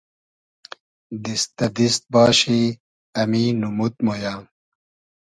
دیست دۂ دیست باشی امی نومود مۉ یۂ